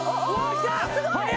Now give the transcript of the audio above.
きた！